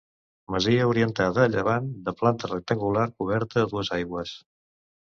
Masia orientada a llevant, de planta rectangular coberta a dues aigües.